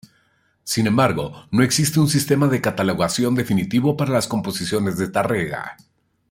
Sin embargo, no existe un sistema de catalogación definitivo para las composiciones de Tárrega.